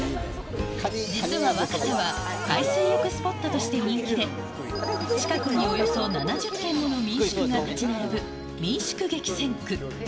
実は若狭は海水浴スポットとして人気で、近くにおよそ７０軒もの民宿が建ち並ぶ民宿激戦区。